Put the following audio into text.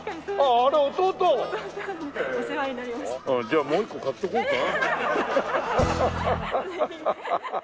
じゃあもう一個買っとこうか？